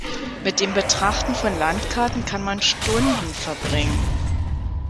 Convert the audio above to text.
Mit dem Betrachten von Landkarten kann man Stunden verbringen.